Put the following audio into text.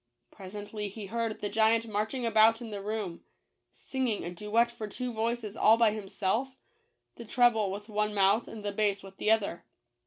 Presently he heard the giant marching about in the room, singing a duet for two voices all by him self — the treble with one mouth, and the bass with the other.